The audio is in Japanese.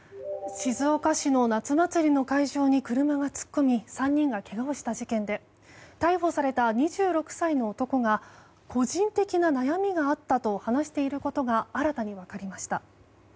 静岡市の夏祭りの会場に車が突っ込み３人がけがをした事件で逮捕された２６歳の男が個人的な悩みがあったと話していることが新たに分かりました。